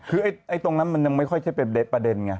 คือตรงนั้นมันยังไม่ค่อยจะเป็นประเด็นไง